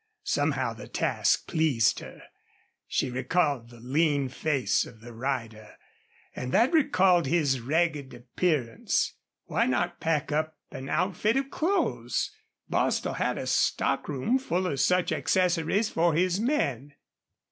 Somehow the task pleased her. She recalled the lean face of the rider. And that recalled his ragged appearance. Why not pack up an outfit of clothes? Bostil had a stock room full of such accessories for his men.